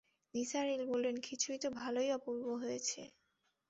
নিসার আলি বললেন, খিচুড়ি তো ভাই অপূর্ব হয়েছে!